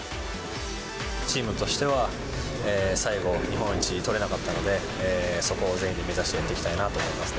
チームとしては、最後、日本一、取れなかったので、そこを全員で目指してやっていきたいなと思いますね。